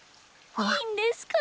いいんですか？